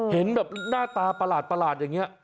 เห็นแบบหน้าตาประหลาดอย่างนี้